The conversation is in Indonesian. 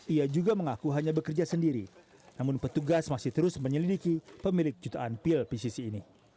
ia juga mengaku hanya bekerja sendiri namun petugas masih terus menyelidiki pemilik jutaan pil pcc ini